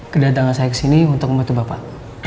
kedatangan saya kesini untuk membantu bapak